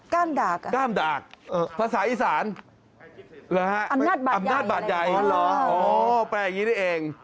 ก้ามดากอ่ะภาษาอีสานหรือฮะอำนาจบัตรใหญ่อ๋อแปลอย่างนี้นี่เอง